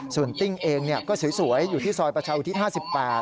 ส่วนติ้งเองก็สวยอยู่ที่ซอยประชาอุทิศ๕๘